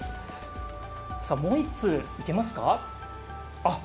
もう１通いけますか？